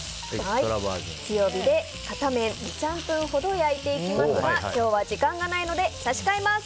強火で片面、２３分ほど焼いていきますが今日は時間がないので差し替えます。